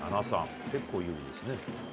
７・３、結構有利ですね。